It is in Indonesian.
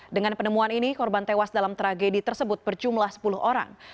dengan penemuan ini korban tewas dalam tragedi tersebut berjumlah sepuluh orang